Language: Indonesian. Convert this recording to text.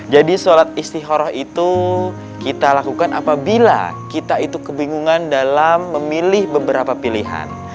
jadi sholat istiqoroh itu kita lakukan apabila kita itu kebingungan dalam memilih beberapa pilihan